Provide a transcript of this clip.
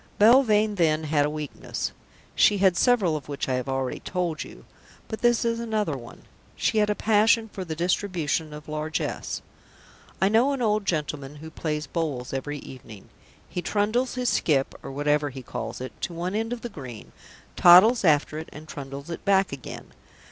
Belvane, then, had a weakness. She had several of which I have already told you, but this is another one. She had a passion for the distribution of largesse. I know an old gentleman who plays bowls every evening. He trundles his skip (or whatever he calls it) to one end of the green, toddles after it, and trundles it back again.